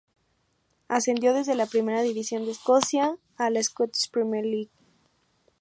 Ascendió desde la Primera División de Escocia a la Scottish Premier League.